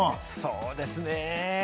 そうですね。